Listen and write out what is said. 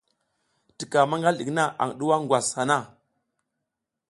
Tika maƞgal ɗik na aƞ ɗuwa ngwas hana.